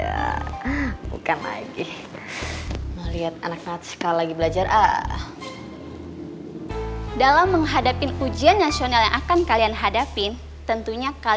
hai siaika biologi ataupun kimia dan hari ini saya akan memberitahu trik jitu untuk menjawab soal matematika yang paling cooperate itu ronaldo matematika atau gimana ai p pokemon bisa men adjourn cabin closer complukuhan ada pozmen apa kulit p estamos